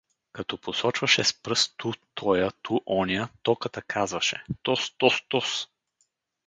Като посочваше с пръст ту тоя, ту оня, Токата казваше: — Тоз… тоз… тоз!